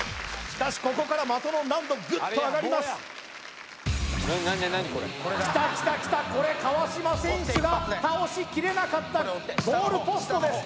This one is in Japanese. しかしここから的の難度グッと上がりますきたきたきたこれ川島選手が倒しきれなかったゴールポストです